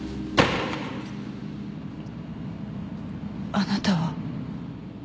あなたは